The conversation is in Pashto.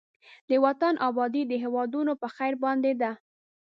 د وطن آبادي د هېوادوالو په خير باندې ده.